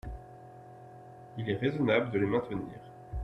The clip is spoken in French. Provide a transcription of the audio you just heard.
Il est raisonnable de les maintenir.